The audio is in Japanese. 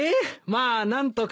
まあ何とか。